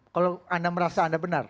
kalau anda merasa anda benar